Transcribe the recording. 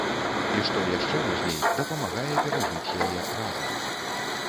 І што яшчэ важней, дапамагае перажыць яе разам.